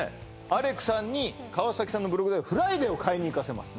アレクさんに川崎さんのブログではＦＲＩＤＡＹを買いに行かせます